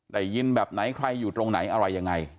ได้ยินแบบไหนใครอยู่ตรงไหนอะไรยังไง